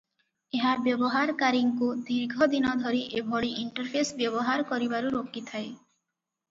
ଏହା ବ୍ୟବହାରକାରୀଙ୍କୁ ଦୀର୍ଘ ଦିନ ଧରି ଏଭଳି ଇଣ୍ଟରଫେସ ବ୍ୟବହାର କରିବାରୁ ରୋକିଥାଏ ।